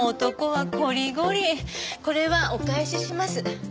これはお返しします。